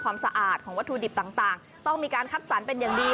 ความสะอาดของวัตถุดิบต่างต้องมีการคัดสรรเป็นอย่างดี